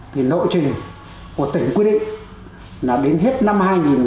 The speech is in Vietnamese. thì lộ trình của tỉnh quy định là đến hết năm hai nghìn hai mươi